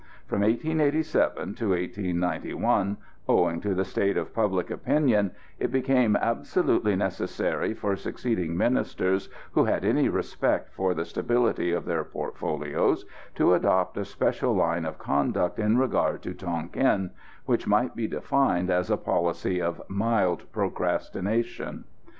From 1887 to 1891, owing to the state of public opinion, it became absolutely necessary for succeeding Ministers, who had any respect for the stability of their portfolios, to adopt a special line of conduct in regard to Tonquin, which might be defined as a policy of mild procrastination.